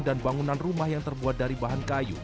dan bangunan rumah yang terbuat dari bahan kayu